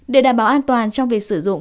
để đảm bảo an toàn trong việc sử dụng